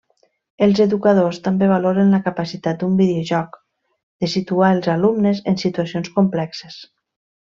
Els educadors també valoren la capacitat d’un videojoc de situar els alumnes en situacions complexes.